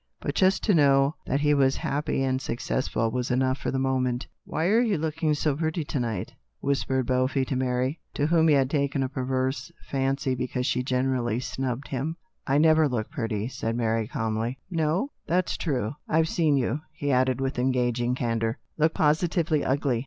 But just to know that he was happy and successful was enough for the moment. " Why are you looking so pretty to night ?" whispered Beaufy to Mary, to whom he had taken a perverse fancy because she generally snubbed him. He prided himself on being allowed to say impertinent things to ladies. " I never look pretty," said Mary calmly. "No? That's true. I've seen you," he added with engaging candour, "look posi tively ugly.